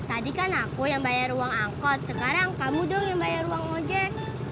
tadi kan aku yang bayar uang angkot sekarang kamu dong yang bayar uang ojek